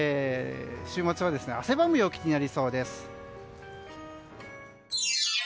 週末は汗ばむ陽気になりそうです。